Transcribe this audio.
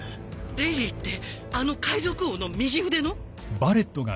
レイリーってあの海賊王の右腕の！？